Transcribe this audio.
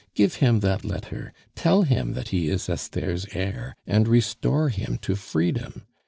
Give him that letter, tell him that he is Esther's heir, and restore him to freedom.